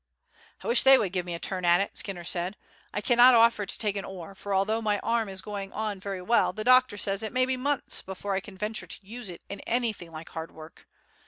"I wish they would give me a turn at it," Skinner said. "I cannot offer to take an oar, for although my arm is going on very well the doctor says it may be months before I can venture to use it in anything like hard work.